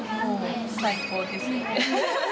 最高です。